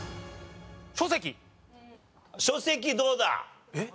書籍どうだ？えっ？